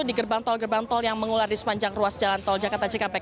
di gerbang tol gerbang tol yang mengular di sepanjang ruas jalan tol jakarta cikampek